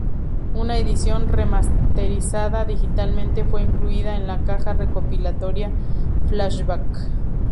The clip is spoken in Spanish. Una edición remasterizada digitalmente fue incluida en la caja recopilatoria "Flashback".